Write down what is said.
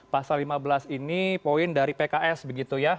pasal lima belas ini poin dari pks begitu ya